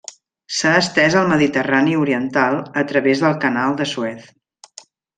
S'ha estès al Mediterrani Oriental a través del Canal de Suez.